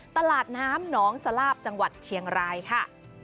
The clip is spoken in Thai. ตลาดน้ำหนองสลาบจังหวัดเชียงรายค่ะ